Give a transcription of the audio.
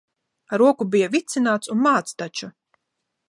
Ar roku bija vicināts un māts taču.